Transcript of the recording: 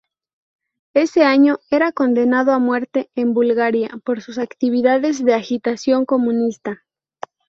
Ese año era condenado a muerte en Bulgaria por sus actividades de agitación comunista.